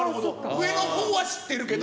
上のほうは知ってるけど。